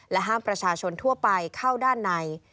ห้ามประชาชนทั่วไปเข้าด้านใน